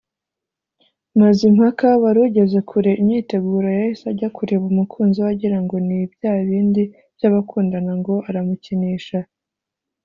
Mazimpaka wari ugeze kure imyiteguro yahise ajya kureba umukunzi we agirango ni bya bindi by’abakundana ngo aramukinisha